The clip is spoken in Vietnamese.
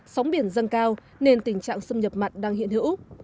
sóng biển dâng cao nên tình trạng xâm nhập mặn đang hiện hữu